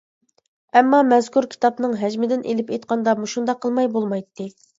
ئەمما مەزكۇر كىتابنىڭ ھەجمىدىن ئېلىپ ئېيتقاندا، مۇشۇنداق قىلماي بولمايتتى.